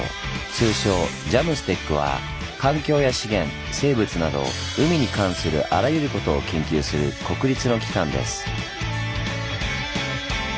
通称「ＪＡＭＳＴＥＣ」は環境や資源生物など海に関するあらゆることを研究する国立の機関です。